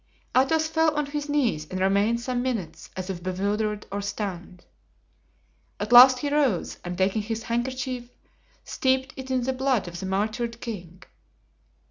Athos fell on his knees and remained some minutes as if bewildered or stunned. At last he rose and taking his handkerchief steeped it in the blood of the martyred king.